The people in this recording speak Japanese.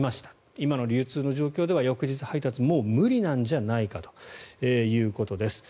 今の流通の状況では翌日配達はもう無理なんじゃないかということです。